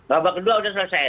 babak kedua sudah selesai